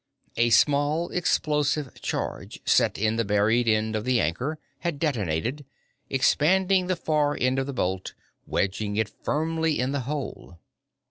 A small explosive charge, set in the buried end of the anchor, had detonated, expanding the far end of the bolt, wedging it firmly in the hole.